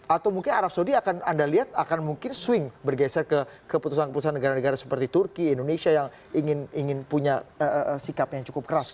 atau mungkin arab saudi akan anda lihat akan mungkin swing bergeser ke keputusan keputusan negara negara seperti turki indonesia yang ingin punya sikap yang cukup keras